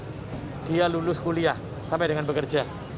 sampai dengan dia lulus kuliah sampai dengan bekerja